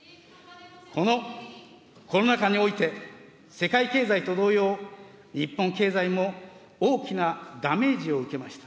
このコロナ禍において、世界経済と同様、日本経済も大きなダメージを受けました。